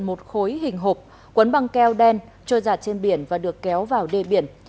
một khối hình hộp quấn băng keo đen trôi giặt trên biển và được kéo vào đê biển